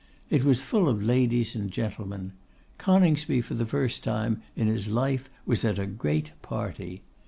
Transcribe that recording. It was full of ladies and gentlemen. Coningsby for the first time in his life was at a great party.